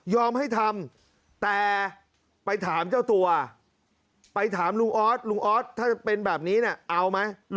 ให้ทำแต่ไปถามเจ้าตัวไปถามลุงออสลุงออสถ้าเป็นแบบนี้เนี่ยเอาไหม